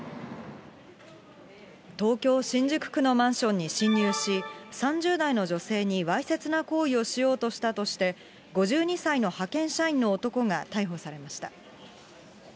東京・新宿区のマンションに侵入し、３０代の女性にわいせつな行為をしようとしたとして、５２歳の派遣社員の男が逮捕されました。